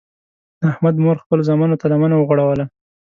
د احمد مور خپلو زمنو ته لمنه وغوړوله.